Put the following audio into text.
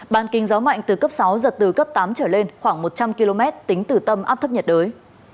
bàn kinh gió mạnh từ cấp sáu giật từ cấp tám trở lên khoảng một trăm linh km tính từ tâm áp thấp nhiệt đới